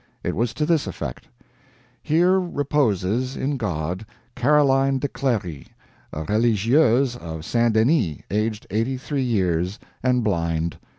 It was to this effect: Here Reposes in God, Caroline de Clery, a Religieuse of St. Denis aged 83 years and blind.